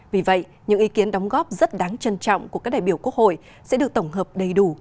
vì vậy những ý kiến đóng góp rất đáng trân trọng của các đại biểu quốc hội sẽ được tổng hợp đầy đủ